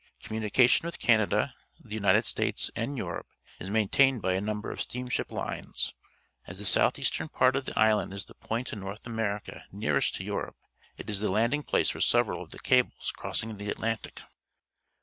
Communica tion with Canada, the United States, and Europe is maintained by a number of GREENLAND 125 steamship lines. As the jouth eastern ^art of the island is the point in North .\merica nearest to Europe, it is the landing place for several of the cables crossing the Atlantic.